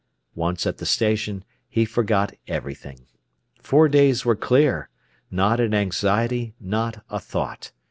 Once at the station, he forgot everything. Four days were clear—not an anxiety, not a thought.